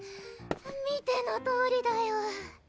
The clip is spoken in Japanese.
見てのとおりだよ